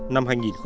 nằm hành trình